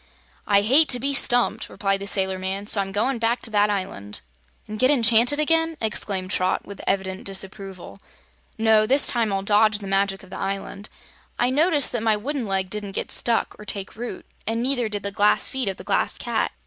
"I hate to be stumped," replied the sailor man; "so I'm goin' back to that island." "And get enchanted again?" exclaimed Trot, with evident disapproval. "No; this time I'll dodge the magic of the island. I noticed that my wooden leg didn't get stuck, or take root, an' neither did the glass feet of the Glass Cat.